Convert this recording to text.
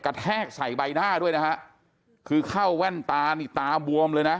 แทกใส่ใบหน้าด้วยนะฮะคือเข้าแว่นตานี่ตาบวมเลยนะ